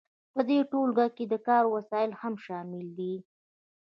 په دې ټولګه کې د کار وسایل هم شامل دي.